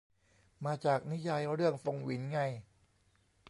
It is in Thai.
มาจากนิยายเรื่องฟงหวินไง